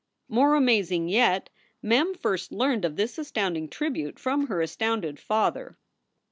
More amazing yet, Mem first learned of this astounding tribute from her astounded father.